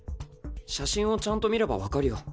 写真をちゃんと見れば分かるよ。